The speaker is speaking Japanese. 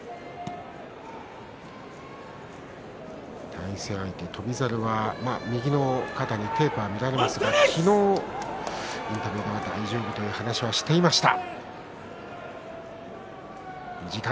対戦相手、翔猿は右の肩にテープが見られますが昨日もインタビューでは大丈夫と言っていました。